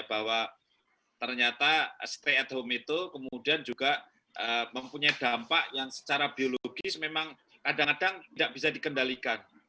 bahwa ternyata stay at home itu kemudian juga mempunyai dampak yang secara biologis memang kadang kadang tidak bisa dikendalikan